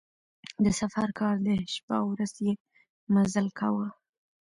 د سفر کار دی شپه او ورځ یې مزل کاوه.